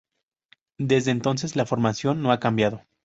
Desde entonces la formación no ha cambiado.